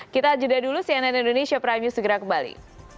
kita jeda dulu cnn indonesia prime news segera kembali